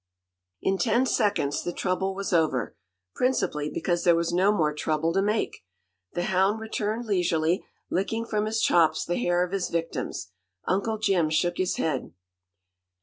In ten seconds the trouble was over, principally because there was no more trouble to make. The hound returned leisurely, licking from his chops the hair of his victims. Uncle Jim shook his head.